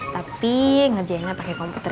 tapi ngerjainnya pakai komputer